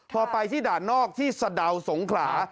พอไปที่ด่านนอกที่สะดาวสงขลา